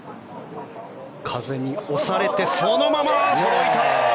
風に押されて、そのまま届いた！